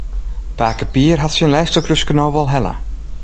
Pake Pier hat syn lêste krúske no wol helle.